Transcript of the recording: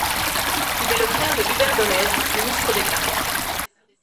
Il est le frère de Hubert Dolez, Ministre d'État.